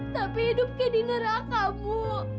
tapi hidup kayak di neraka bu